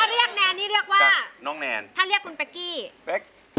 เรียกแนนนี่เรียกว่าน้องแนนถ้าเรียกคุณเป๊กกี้เป๊ก